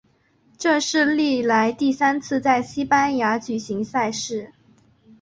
这是历来第三次在西班牙举行赛事。